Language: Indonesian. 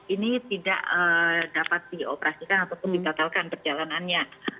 ini tidak dapat dioperasikan ataupun dibatalkan perjalanannya